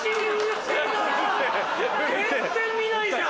全然見ないじゃん！